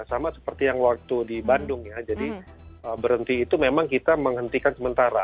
sama seperti yang waktu di bandung ya jadi berhenti itu memang kita menghentikan sementara